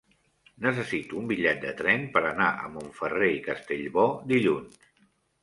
Necessito un bitllet de tren per anar a Montferrer i Castellbò dilluns.